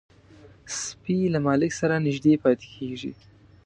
سپي له مالک سره نږدې پاتې کېږي.